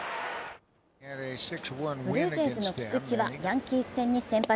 ブルージェイズの菊池はヤンキース戦に先発。